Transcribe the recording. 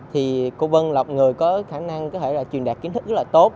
thì cô vân là một người có khả năng có thể là truyền đạt kiến thức rất là tốt